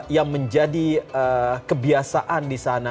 yang menjadi kebiasaan disana